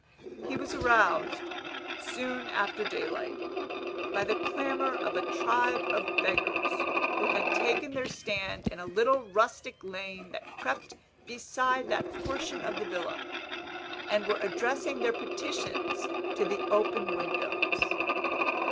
He was aroused, soon after daylight, by the clamor of a tribe of beggars who had taken their stand in a little rustic lane that crept beside that portion of the villa, and were addressing their petitions to the open windows.